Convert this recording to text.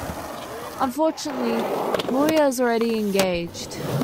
Unfortunately, Miura is already engaged.